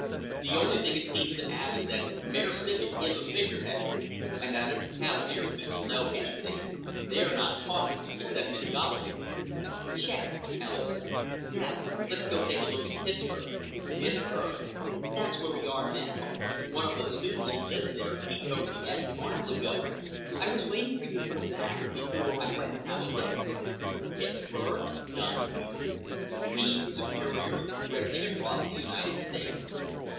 The only thing it seems to add is that Mayor Civek is a figurehead, and that if the Cavalier people know anything they're not talking, except in gobbledygook." "Check," Alis said. "Now let's go take a look at Pittsburgh." "Pittsburgh?" "That's where we are now. One of the students who lives there peeped over the edge a while ago. I was waiting for you to come back before I went to have a look." "Pittsburgh?" Don repeated. "You mean Superior's drifting across the United States?"